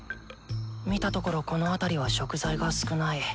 見たところこの辺りは食材が少ない。